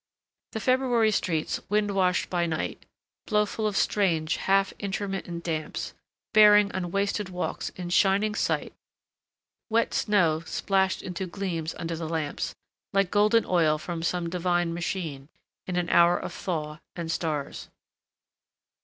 The February streets, wind washed by night, blow full of strange half intermittent damps, bearing on wasted walks in shining sight wet snow plashed into gleams under the lamps, like golden oil from some divine machine, in an hour of thaw and stars.